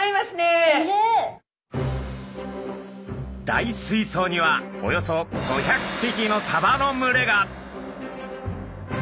大水槽にはおよそ５００匹のサバの群れが。